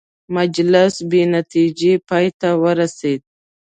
مجلس بې نتیجې پای ته ورسېد.